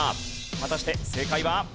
果たして正解は？